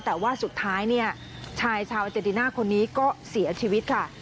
แต่ว่าสุดท้ายเนี่ยชายชาวเจติน่าคนนี้ก็เสียชีวิตค่ะ